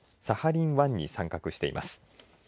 サハリン１に参画しています。